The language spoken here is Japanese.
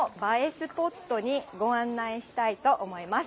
スポットにご案内したいと思います。